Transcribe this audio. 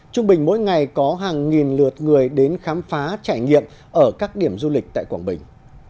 trung bình mỗi ngày có hàng nghìn lượt người đến khám phá trải nghiệm ở các điểm du lịch tại quảng bình